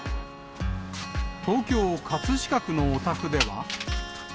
東京・葛飾区のお宅では。